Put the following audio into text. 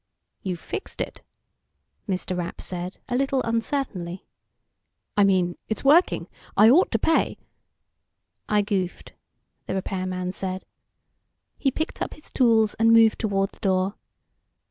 "You fixed it," Mr. Rapp said, a little uncertainly. "I mean, it's working. I ought to pay...." "I goofed," the repairman said. He picked up his tools, and moved toward the door.